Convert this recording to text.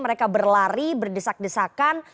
mereka berlari berdesak desakan